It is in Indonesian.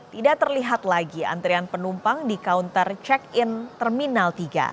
tidak terlihat lagi antrian penumpang di counter check in terminal tiga